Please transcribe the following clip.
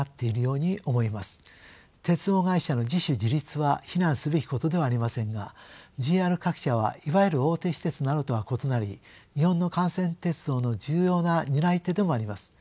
鉄道会社の自主自立は非難すべきことではありませんがＪＲ各社はいわゆる大手私鉄などとは異なり日本の幹線鉄道の重要な担い手でもあります。